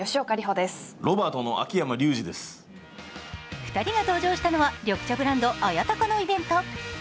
２人が登場したのは緑茶ブランド綾鷹のイベント。